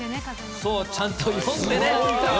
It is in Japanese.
そう、ちゃんと読んでね。